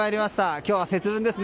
今日は節分ですね。